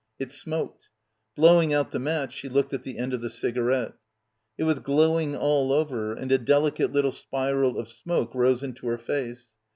It smoked. Blowing out the match she looked at the end of the cigarette. It was glowing all over and a delicate little spiral of smoke rose into her face.